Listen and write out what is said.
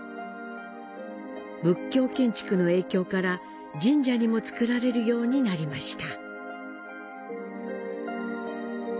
仏教建築の影響から神社にも造られるようになりました。